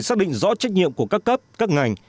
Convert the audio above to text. xác định rõ trách nhiệm của các cấp các ngành